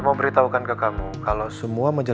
mama pengen banget kamu tuh jadian sama mbak jen